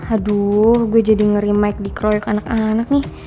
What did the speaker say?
aduh gue jadi ngeri mic di kroyok anak anak nih